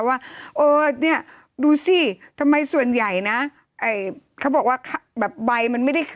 ว่าเออเนี่ยดูสิทำไมส่วนใหญ่นะเขาบอกว่าแบบใบมันไม่ได้